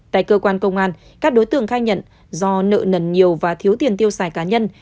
tại cơ quan công an các đối tượng khai nhận do nợ nần nhiều và thiếu tiền tiêu xài cá nhân